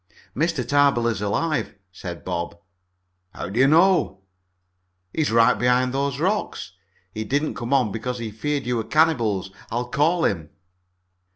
"Mr. Tarbill is alive," said Bob. "How do you know?" "He's right behind those rocks. He didn't come on because he feared you were cannibals. I'll call him."